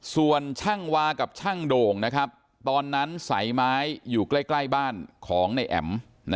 ส่วนช่างวากับช่างโด่งตอนนั้นสายไม้อยู่ใกล้บ้านของนายแอ๋ม